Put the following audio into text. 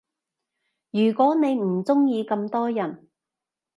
如果你唔鐘意咁多人